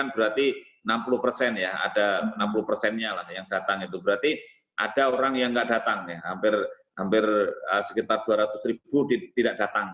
berarti ada orang yang nggak datang hampir sekitar dua ratus ribu tidak datang